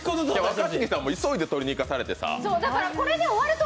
若槻さんも急いで取りに行かされてさ。